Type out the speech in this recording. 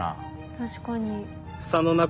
確かに。